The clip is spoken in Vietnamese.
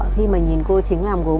khi mà nhìn cô chính làm gốm